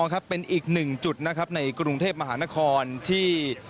ครับเป็นอีกหนึ่งจุดนะครับในกรุงเทพมหานครที่